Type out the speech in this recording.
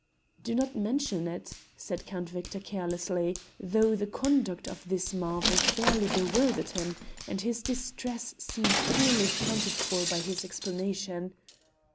"Do not mention it," said Count Victor carelessly, though the conduct of this marvel fairly bewildered him, and his distress seemed poorly accounted for by his explanation.